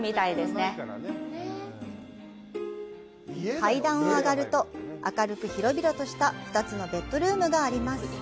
階段を上がると、明るく広々とした２つのベッドルームがあります。